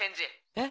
えっ？